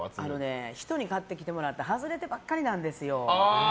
人に買ってきてもらって外れてばっかりなんですよ。